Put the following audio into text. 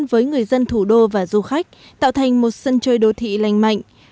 với người dân thủ đô và du khách tạo thành một sân chơi đô thị lành mạnh